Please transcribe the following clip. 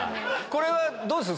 これはどうですか？